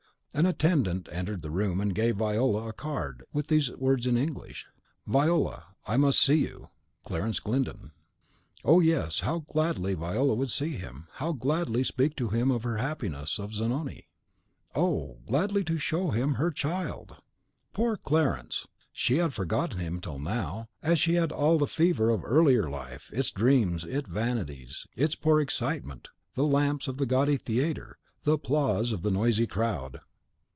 An attendant entered the room, and gave to Viola a card, with these words in English, "Viola, I must see you! Clarence Glyndon." Oh, yes, how gladly Viola would see him; how gladly speak to him of her happiness, of Zanoni! how gladly show to him her child! Poor Clarence! she had forgotten him till now, as she had all the fever of her earlier life, its dreams, its vanities, its poor excitement, the lamps of the gaudy theatre, the applause of the noisy crowd.